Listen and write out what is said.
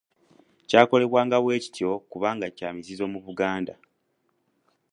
Kyakolebwanga bwe kityo kubanga kya muzizo mu Buganda.